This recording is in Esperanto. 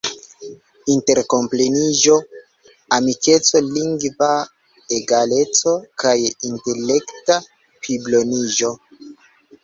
interkompreniĝo, amikeco, lingva egaleco, kaj intelekta pliboniĝo.